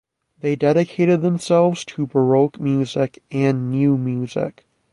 They dedicated themselves to Baroque music and New music.